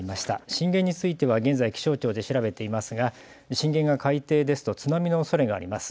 震源については現在、気象庁で調べていますが震源が海底ですと津波のおそれがあります。